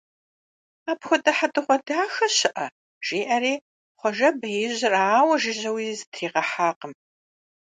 Апхуэдэ хьэдэгъуэдахэ щыӀэ! - жиӀэри, Хъуэжэ беижьыр ауэ жыжьэуи зытригъэхьакъым.